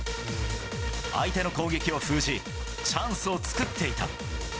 相手の攻撃を封じ、チャンスを作っていた。